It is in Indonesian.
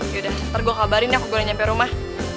yaudah ntar gue kabarin ya aku baru nyampe rumah